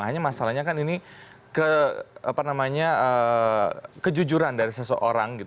hanya masalahnya kan ini kejujuran dari seseorang